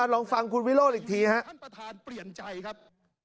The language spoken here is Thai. ลองฟังคุณวิโรธอีกทีนะครับ